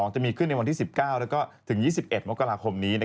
จะมีขึ้นในวันที่๑๙แล้วก็ถึง๒๑มกราคมนี้